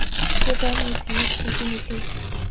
Гэхдээ байрны эзэн юу гэхийг би хүлээе.